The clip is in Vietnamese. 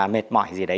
mệt mỏi gì đấy